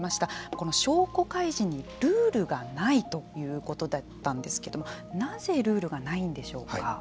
この証拠開示にルールがないということだったんですけどなぜルールがないんでしょうか。